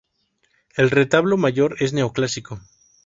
El retablo mayor es neoclásico.